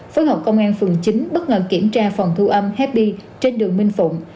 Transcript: phối hợp công an phường chín bất ngờ kiểm tra phòng thu âm hepy trên đường minh phụng